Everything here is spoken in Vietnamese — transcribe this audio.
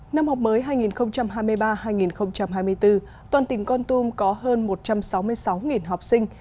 năm học mới hai nghìn hai mươi ba hai nghìn hai mươi bốn toàn tỉnh con tum có hơn một trăm sáu mươi sáu học sinh